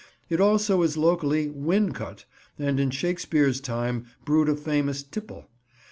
It also is locally "Wincot," and in Shakespeare's time brewed a famous tipple.